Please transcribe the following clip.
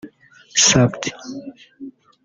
Supt